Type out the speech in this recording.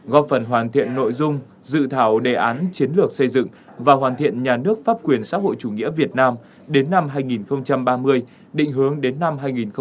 góp phần hoàn thiện nội dung dự thảo đề án chiến lược xây dựng và hoàn thiện nhà nước pháp quyền xã hội chủ nghĩa việt nam đến năm hai nghìn ba mươi định hướng đến năm hai nghìn bốn mươi năm